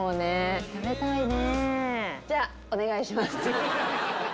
食べたいね。